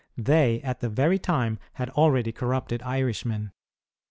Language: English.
They, at the very time, had already corrupted Irishmen.